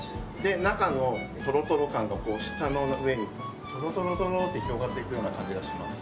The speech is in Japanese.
中のトロトロ感が舌の上でトロトロって広がっていくような感じがします。